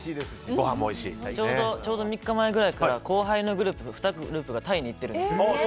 ちょうど３日前ぐらいから後輩の２グループがタイに行ってるんです。